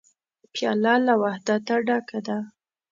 پیاله له وحدته ډکه ده.